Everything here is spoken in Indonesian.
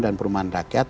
dan perumahan rakyat